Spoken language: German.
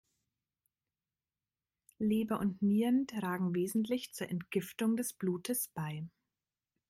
Leber und Nieren tragen wesentlich zur Entgiftung des Blutes bei.